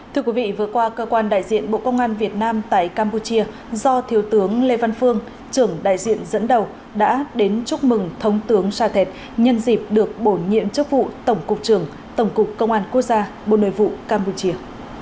thưa quý vị vừa qua cơ quan đại diện bộ công an việt nam tại campuchia do thiếu tướng lê văn phương trưởng đại diện dẫn đầu đã đến chúc mừng thống tướng sa thẹt nhân dịp được bổ nhiệm chức vụ tổng cục trưởng tổng cục công an quốc gia bộ nội vụ campuchia